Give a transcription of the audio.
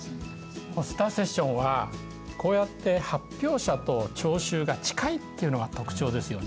ポスターセッションはこうやって発表者と聴衆が近いっていうのが特徴ですよね。